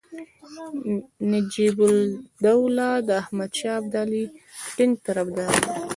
نجیب الدوله د احمدشاه ابدالي ټینګ طرفدار دی.